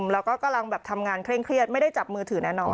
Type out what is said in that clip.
แล้วก็กำลังแบบทำงานเคร่งเครียดไม่ได้จับมือถือแน่นอน